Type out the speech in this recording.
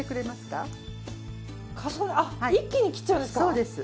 一気に切っちゃうんですか。